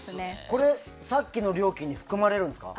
これ、さっきの料金に含まれるんですか？